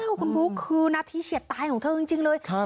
เบือบแล้วคุณพุคคือนัทธิเสียดตายของเธอจริงจริงเลยครับ